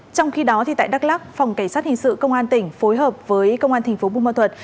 trong khi đó tại đắk lắk phòng cảnh sát hình sự công an tỉnh phối hợp với công an tp bung ma thuật